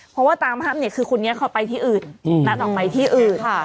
เพราะว่าตามภาพเนี่ยคือคนนี้เขาไปที่อื่นนัดออกไปที่อื่น